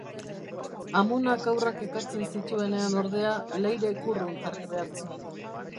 Amonak haurrak ekartzen zituenean, ordea, Leirek urrun jarri behar zuen.